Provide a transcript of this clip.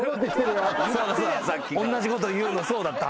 おんなじこと言うのそうだった。